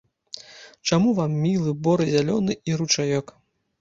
Чаму вам мілы бор зялёны і ручаёк?